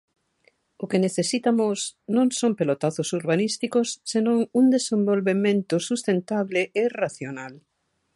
O que necesita Mos non son pelotazos urbanísticos, senón un desenvolvemento sustentable e racional.